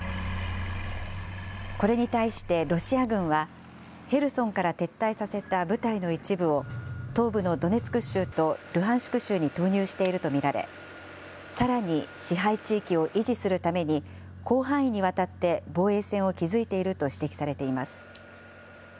これに対してロシア軍は、ヘルソンから撤退させた部隊の一部を、東部のドネツク州とルハンシク州に投入していると見られ、さらに支配地域を維持するために、広範囲にわたって防衛線を築いていると指摘されています。